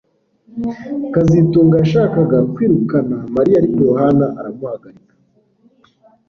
kazitunga yashakaga kwirukana Mariya ariko Yohana aramuhagarika